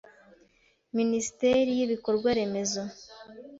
Minisiteri y’Ibikorwa remezo